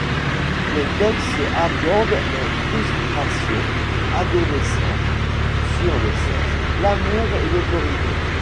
Les textes abordent les frustrations adolescentes sur le sexe, l'amour et l'autorité.